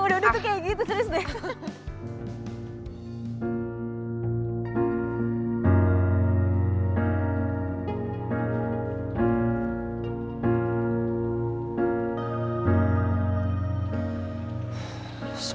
ya udah udah tuh kayak gitu ceris deh